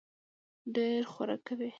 ډېر خورک کوي.